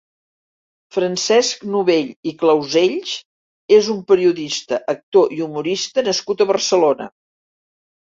Francesc Novell i Clausells és un periodista, actor i humorista nascut a Barcelona.